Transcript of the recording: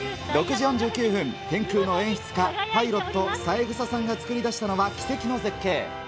６時４９分、天空の演出家、パイロット、三枝さんが作り出した奇跡の絶景。